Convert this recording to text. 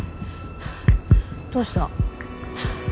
どうした？